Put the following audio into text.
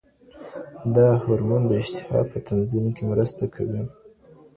دا هورمون د اشتها په تنظیم کې مرسته کوي.